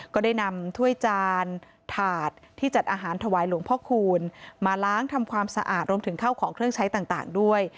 ก็ได้นำถ้วยจานถาดที่จัดอาหารถวายหลวงพ่อคูณมาล้างทำความสะอาดรวมถึงเข้าของเครื่องใช้ต่างด้วย